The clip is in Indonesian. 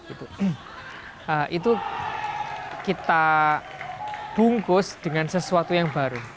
itu kita bungkus dengan sesuatu yang baru